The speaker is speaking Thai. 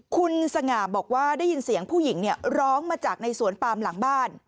คุณสง่าบอกว่าได้ยินเสียงผู้หญิงร้องมาจากในสวนปามหลังบ้าน